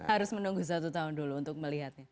harus menunggu satu tahun dulu untuk melihatnya